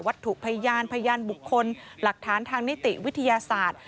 ถูกพยานพยานบุคคลหลักฐานทางนิติวิทยาศาสตร์